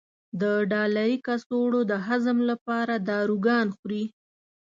د ډالري کڅوړو د هضم لپاره داروګان خوري.